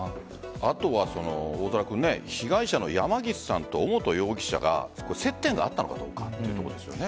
あとは被害者の山岸さんと尾本容疑者が接点があったのかどうかというところですよね。